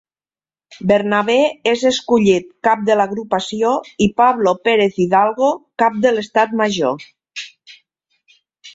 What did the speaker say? Bernabé és escollit cap de l'Agrupació i Pablo Pérez Hidalgo cap de l'Estat Major.